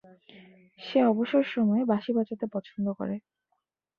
সে অবসর সময়ে বাঁশি বাজাতে পছন্দ করে।